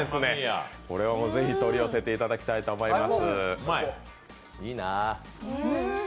ぜひ取り寄せていただきたいと思います。